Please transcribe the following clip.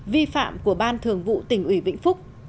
vi phạm của ban thường vụ tỉnh ủy vĩnh phúc